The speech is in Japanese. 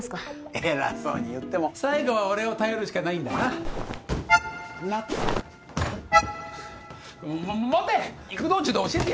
偉そうに言っても最後は俺を頼るしかないんだなな持て！